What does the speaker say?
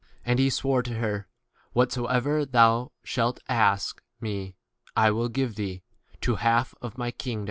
23 And he swore to her, Whatsoever thou shalt ask me I will give 24 thee, to half of my kingdom.